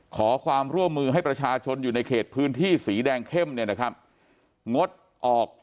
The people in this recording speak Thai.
ขอความร่วมมือให้ประชาชนอยู่ในเขตพื้นที่สีแดงเข้มเนี่ยนะครับงดออก